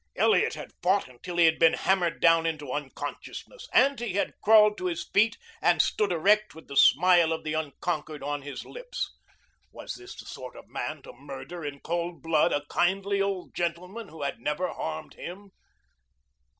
Elliot had fought until he had been hammered down into unconsciousness and he had crawled to his feet and stood erect with the smile of the unconquered on his lips. Was this the sort of man to murder in cold blood a kindly old gentleman who had never harmed him?